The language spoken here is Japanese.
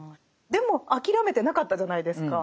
でも諦めてなかったじゃないですか。